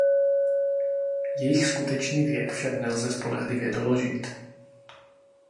Jejich skutečný věk však nelze spolehlivě doložit.